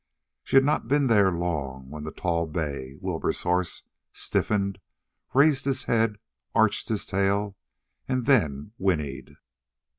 She had not been there long when the tall bay, Wilbur's horse, stiffened, raised his head, arched his tail, and then whinnied.